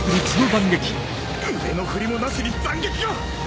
腕の振りもなしに斬撃が！